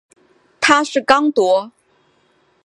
他是刚铎。